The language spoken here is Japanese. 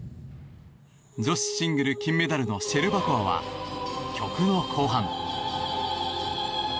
女子シングル金メダルのシェルバコワは曲の後半。